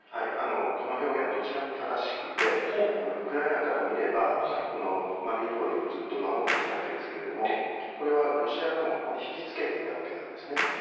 この表現はどちらも正しくて、ウクライナから見れば、このマリウポリをずっと守ってきたわけですけれども、これはロシア軍をここに引き付けていたわけなんですね。